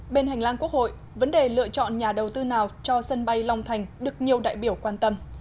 bên hành lang quốc hội vấn đề lựa chọn nhà đầu tư nào cho sân bay long thành được nhiều đại biểu quan tâm